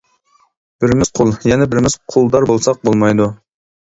بىرىمىز قۇل، يەنە بىرىمىز قۇلدار بولساق بولمايدۇ.